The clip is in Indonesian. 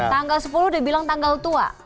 tanggal sepuluh udah bilang tanggal tua